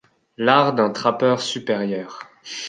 L’Art d’un trappeur supérieur.